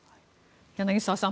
柳澤さん